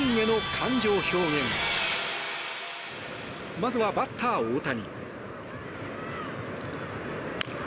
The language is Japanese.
まずはバッター大谷。